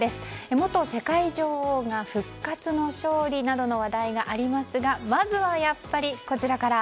元世界女王が復活の勝利などの話題がありますがまずは、やっぱりこちらから。